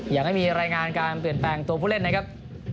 อยากให้มีรายงานการเปลี่ยนแปลงตัวผู้เล่นนะครับ